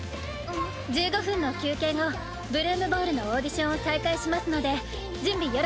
１５分の休憩後「ブルームボール」のオーディションを再開しますので準備